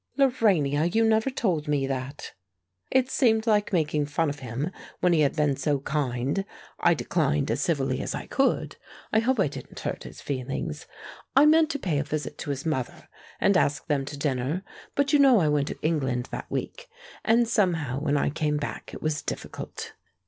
"Lorania, you never told me that!" "It seemed like making fun of him, when he had been so kind. I declined as civilly as I could. I hope I didn't hurt his feelings. I meant to pay a visit to his mother and ask them to dinner, but you know I went to England that week, and somehow when I came back it was difficult.